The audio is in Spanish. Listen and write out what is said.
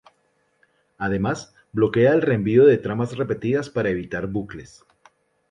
Además bloquea el reenvío de tramas repetidas para evitar bucles.